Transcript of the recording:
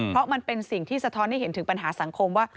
เพราะมันเป็นสิ่งที่สะท้อนให้เห็นถึงปัญหาสังคมว่า